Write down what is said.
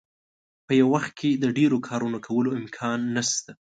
په یو وخت کې د ډیرو کارونو کولو امکان نشته.